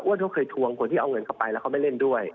เขาเคยทวงคนที่เอาเงินเข้าไปแล้วเขาไม่เล่นด้วย